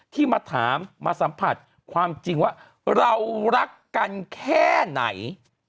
ที่มาถามมาสัมผัสความจริงว่าเรารักกันแค่ไหน